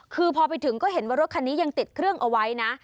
คือพอไปถึงก็เห็นว่ารถคันนี้ยังติดเครื่องเอาไว้นะ